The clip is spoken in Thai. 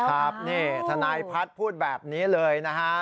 ครับนี่ทนายพัฒน์พูดแบบนี้เลยนะฮะ